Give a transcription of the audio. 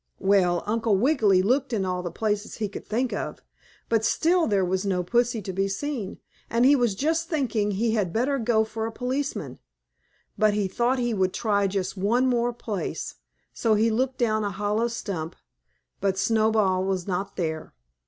Well, Uncle Wiggily looked in all the places he could think of, but still there was no pussy to be seen, and he was just thinking he had better go for a policeman. But he thought he would try just one more place, so he looked down a hollow stump, but Snowball was not there.